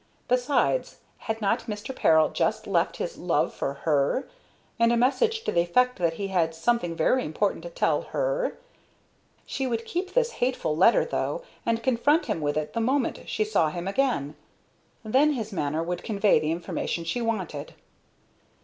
Besides, had not Mr. Peril just left his love for her, and a message to the effect that he had something very important to tell her? She would keep this hateful letter, though, and confront him with it the moment she saw him again. Then his manner would convey the information she wanted.